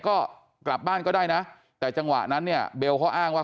ก็กลับบ้านก็ได้นะแต่จังหวะนั้นเนี่ยเบลเขาอ้างว่า